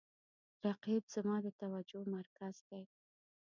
رقیب زما د توجه مرکز دی